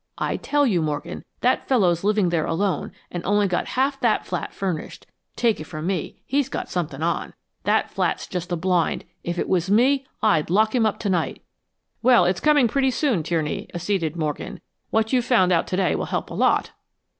I tell you, Morgan, that fellow's living there alone and only got half the flat furnished! Take it from me, he's got something on. That flat's just a blind. If it was me, I'd lock him up tonight." "Well, it's coming pretty soon, Tierney," acceded Morgan. "What you've found out today will help a lot."